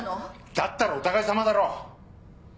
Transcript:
だったらお互いさまだろ。